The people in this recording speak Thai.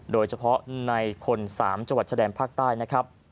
โดยเฉพาะในคน๓จังหวัดชะแดนภาคใต้นะครับ